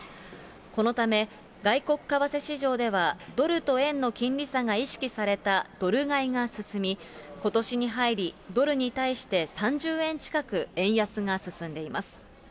このため外国為替市場では、ドルと円の金利差が意識されたドル買いが進み、ことしに入り、ドルに対して、３０円近く円安が進んでいます。